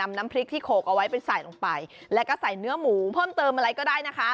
น้ำพริกที่โขกเอาไว้ไปใส่ลงไปแล้วก็ใส่เนื้อหมูเพิ่มเติมอะไรก็ได้นะคะ